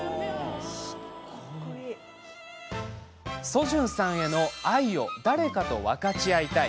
ソジュンさんへの愛を誰かと分かち合いたい。